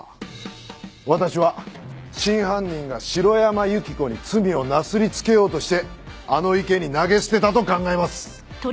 私は真犯人が城山由希子に罪をなすりつけようとしてあの池に投げ捨てたと考えます！